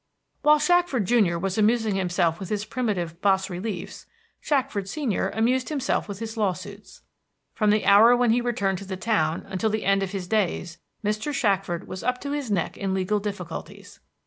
While Shackford junior was amusing himself with his primitive bas reliefs, Shackford senior amused himself with his lawsuits. From the hour when he returned to the town until the end of his days Mr. Shackford was up to his neck in legal difficulties.